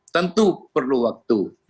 tentu perlu waktu